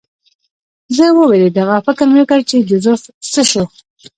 زه ووېرېدم او فکر مې وکړ چې جوزف څه شو